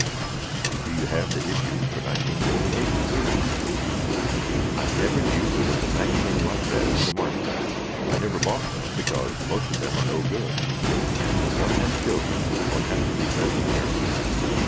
Do you have the issues for 1928, too? I never knew there was a magazine like that on the market. I never bought one because most of them are no good, and when one has children one has to be doubly careful.